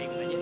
ikut aja yuk